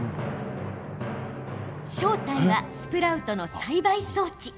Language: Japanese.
正体はスプラウトの栽培装置。